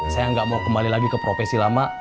saya nggak mau kembali lagi ke profesi lama